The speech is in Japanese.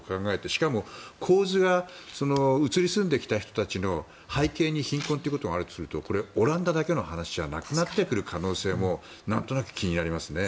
しかも構図が移り住んできた人たちの背景に貧困ということがあるとするとオランダだけの話じゃなくなってくる可能性も何となく気になりますね。